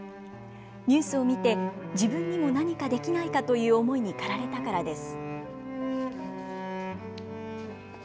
ニュースを見て自分にも何かできないかという思いに駆られたからです。